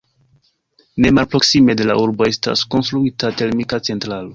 Ne malproksime de la urbo estas konstruita termika centralo.